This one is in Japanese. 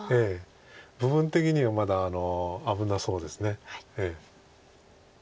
部分的にはまだ危なそうです。